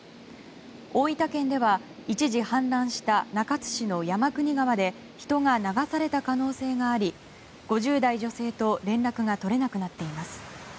大分県では一時氾濫した中津市の山国川で人が流された可能性があり５０代女性と連絡が取れなくなっています。